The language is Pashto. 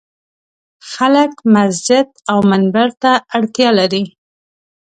خلک مسجد او منبر ته اړتیا لري.